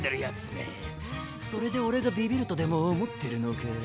めそれでオレがビビるとでも思ってるのか？